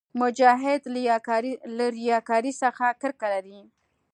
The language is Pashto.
مجاهد له ریاکارۍ څخه کرکه لري.